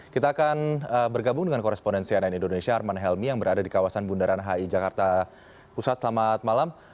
kita akan bergabung dengan korespondensi ann indonesia arman helmi yang berada di kawasan bundaran hi jakarta pusat selamat malam